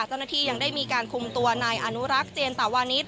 เจ้าหน้าที่ยังได้มีการคุมตัวนายอนุรักษ์เจนตาวานิส